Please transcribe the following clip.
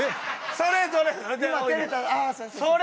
それそれ。